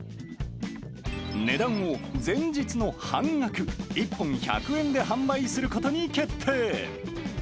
値段を前日の半額、１本１００円で販売することに決定。